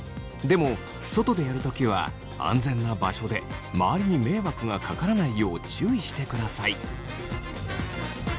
でも外でやる時は安全な場所で周りに迷惑がかからないよう注意してください。